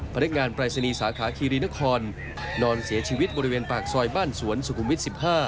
พนักงานปรายศนีย์สาขาคีรีนครนอนเสียชีวิตบริเวณปากซอยบ้านสวนสุขุมวิท๑๕